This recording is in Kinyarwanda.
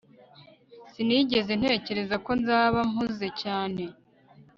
sinigeze ntekereza ko nzaba mpuze cyane